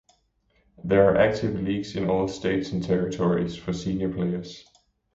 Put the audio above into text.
There are active leagues in all states and territories for senior players.